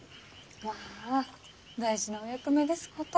まぁ大事なお役目ですこと。